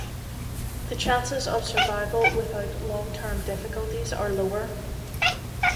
The chances of survival without long term difficulties are lower.